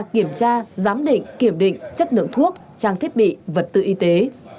kiểm tra giám định kiểm định chất lượng thuốc trang thiết bị vật tư y tế